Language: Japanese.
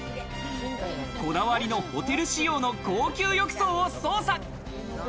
こだわりのホテル仕様の高級浴槽を捜査。